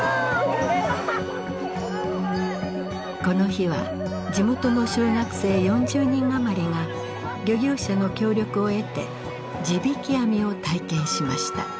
この日は地元の小学生４０人余りが漁業者の協力を得て地引き網を体験しました。